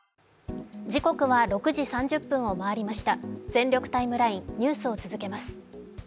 「全力ＴＩＭＥライン」ニュースを続けます。